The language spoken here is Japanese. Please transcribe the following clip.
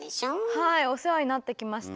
はいお世話になってきました。